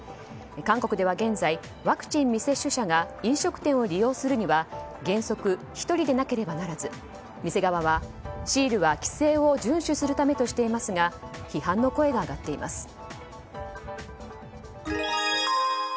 韓国では現在、ワクチン未接種者が飲食店を利用するには原則１人でなければならず店側はシールは、規制を順守するためとしていますが批判の声が上がっています。